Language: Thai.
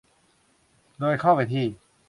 โดยเข้าไปที่